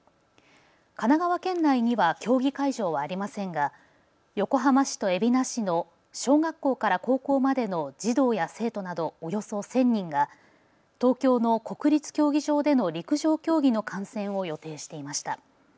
神奈川県内には競技会場はありませんが横浜市と海老名市の小学校から高校までの児童や生徒などおよそ１０００人が東京の国立競技場での陸上競技の観戦を予定していました。